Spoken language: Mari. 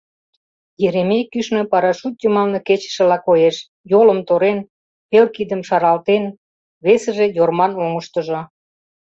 Еремей кӱшнӧ парашют йымалне кечышыла коеш: йолым торен, пел кидым шаралтен, весыже Йорман оҥыштыжо.